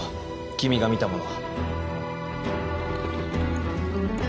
君が見たもの。